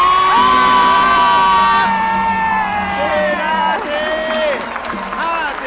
เพราะว่าเลขที่ออกเป็นเลข๔ก่อน